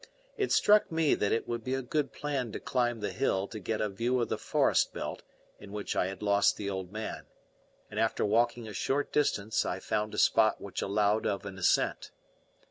It struck me that it would be a good plan to climb the hill to get a view of the forest belt in which I had lost the old man; and after walking a short distance I found a spot which allowed of an ascent.